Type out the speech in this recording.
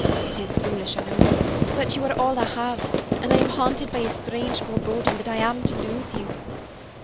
It is foolish, I know; but you are all I have, and I am haunted by a strange foreboding that I am to lose you."